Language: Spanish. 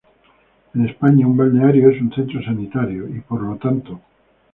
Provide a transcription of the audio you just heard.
En España, un Balneario es un centro sanitario y. por lo tanto.